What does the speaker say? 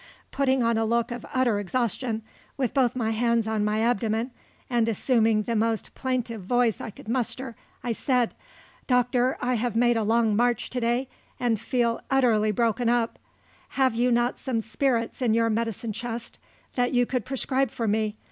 Putting on a look of utter exhaustion, with both my hands on my abdomen, and assuming the most plaintive voice I could muster, I said: "Doctor, I have made a long march to day, and feel utterly broken up; have you not some spirits in your medicine chest that you could prescribe for me?